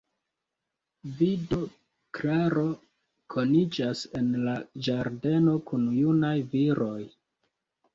Vi do, Klaro, koniĝas en la ĝardeno kun junaj viroj?